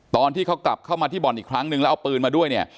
ตอนที่เขากลับเข้ามาที่บ่อนอีกครั้งนึงแล้วเอาปืนมาด้วยเนี่ย